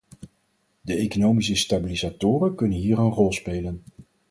De economische stabilisatoren kunnen hier een rol spelen.